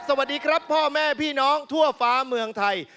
สวัสดีครับพ่อแม่พี่น้องทั่วฟ้าเมืองไทย